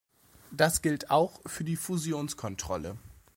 Das gilt auch für die Fusionskontrolle.